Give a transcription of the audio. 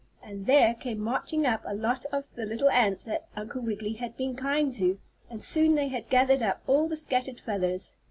And there came marching up a lot of the little ants that Uncle Wiggily had been kind to, and soon they had gathered up all the scattered feathers.